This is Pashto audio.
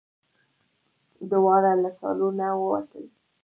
دواړه له سالونه ووتل.